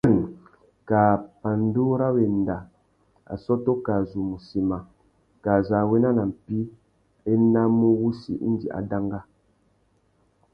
Kā pandú râ wenda, assôtô kā zu mù sema, kā zu a wena nà mpí, a enamú wussi indi a danga.